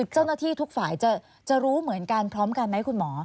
เจ้าหน้าที่ทุกฝ่ายจะรู้เหมือนกันพร้อมกันไหมคุณหมอ